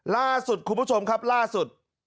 ล่าสุดคุณผู้ชมครับล่าสุด